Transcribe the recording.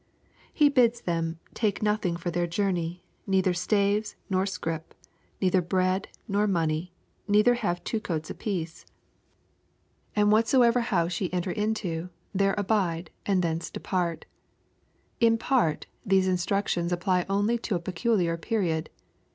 He bids them "take nothing for their journey, neither staves, LUKE, CHAP. IX. 293 nor scrip, neither bread noi money ; neither have two I coats apiece. And whatsoever house ye enter into, there abide, and thence depart." In part, these instructions apply only to a peculiar period.